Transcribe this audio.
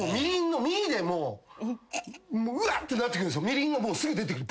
みりんがもうすぐ出てくる。